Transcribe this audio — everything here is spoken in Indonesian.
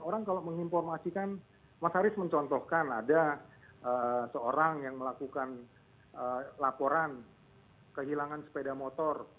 orang kalau menginformasikan mas haris mencontohkan ada seorang yang melakukan laporan kehilangan sepeda motor